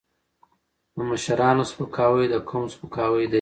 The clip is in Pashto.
د مشرانو سپکاوی د قوم سپکاوی دی.